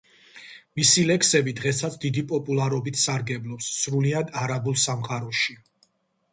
მისი ლექსები დღესაც დიდი პოპულარობით სარგებლობს სრულიად არაბულ სამყაროში.